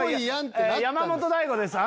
山本大悟です